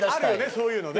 そういうのね。